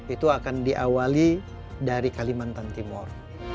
itu akan diawali dari kalimantan timur